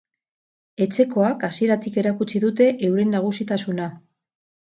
Etxekoak hasieratik erakutsi dute euren nagusitasuna.